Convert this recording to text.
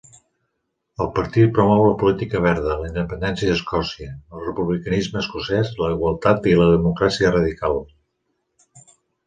El partit promou la política verda, la independència d'Escòcia, el republicanisme escocès, la igualtat i la democràcia radical.